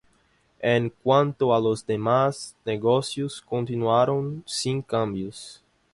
En cuanto a los demás negocios continuaron sin cambios.